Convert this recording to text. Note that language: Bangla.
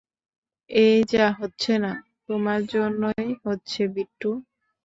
এই যা হচ্ছে না, তোমার জন্যই হচ্ছে, বিট্টু।